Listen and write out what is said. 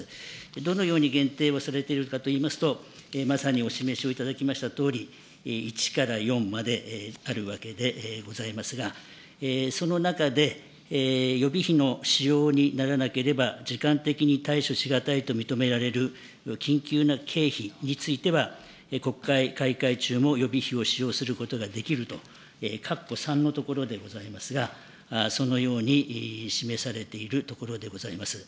どのように限定をされているかといいますと、まさにお示しをいただきましたとおり、１から４まであるわけでございますが、その中で、予備費の使用にならなければ時間的に対処し難いと認められる緊急な経費については、国会開会中も予備費を使用することができると、かっこ３のところでございますが、そのように示されているところでございます。